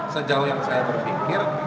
sejauh yang saya berpikir